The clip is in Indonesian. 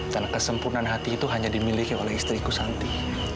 dan kesempurnaan hati itu hanya dimiliki oleh istriku santi